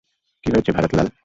কী হয়েছে, ভারত লাল?